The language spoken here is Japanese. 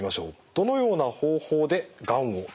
どのような方法でがんを取るのでしょうか？